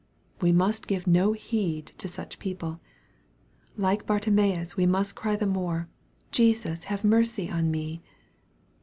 We must give no heed to such people. Like Bartimaeus, we must cry the more, " Jesus have mercy on me."